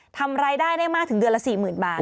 ทำรายได้ได้มากถึงเดือนละ๔๐๐๐บาท